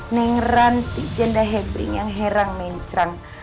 nengrantik jendah hebring yang heran mencran